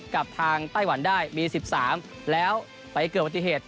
กับทางไต้หวันได้มี๑๓แล้วไปเกิดปฏิเหตุ